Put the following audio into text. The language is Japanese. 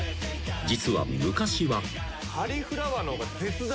実は昔は。